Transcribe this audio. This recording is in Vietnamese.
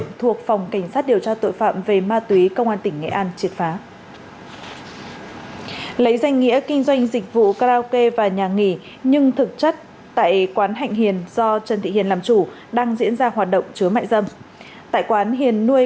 cục cảnh sát điều tra tội phạm về ma túy công an thành phố và công an tiến hành kiểm tra một ngôi nhà trên đường hải châu đã phối hợp với công an